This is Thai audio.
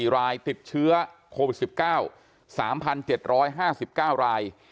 ๒๓๐๔รายติดเชื้อโคล๑๙๓๗๕๙ราย